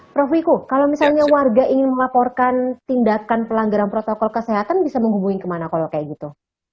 prof wiku kalau misalnya warga ingin melaporkan tindakan pelanggaran protokol kesehatan bisa menghubungi kemana kalau kayak gitu